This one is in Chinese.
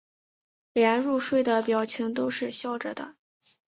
连入睡的表情都是笑着的